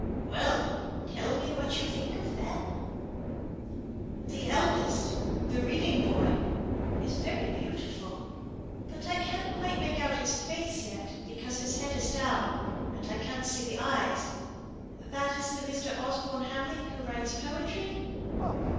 "Well! tell me what you think of them!" "The eldest the reading boy is very beautiful; but I can't quite make out his face yet, because his head is down, and I can't see the eyes. That is the Mr. Osborne Hamley who writes poetry."